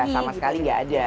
sama sekali gak ada